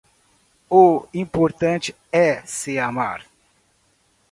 o importante é se amar